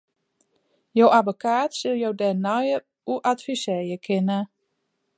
Jo abbekaat sil jo dêr neier oer advisearje kinne.